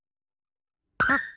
あっ！